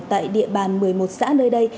tại địa bàn một mươi một xã nơi đây